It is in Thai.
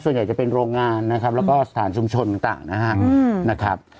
ส่วนใหญ่จะเป็นโรงงานนะครับแล้วก็สถานชุมชนต่างนะครับ